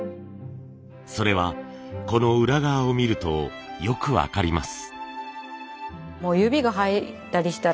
それはこの裏側を見るとよく分かります。